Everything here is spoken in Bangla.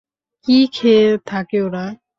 কী খেয়ে থাকে ওরা?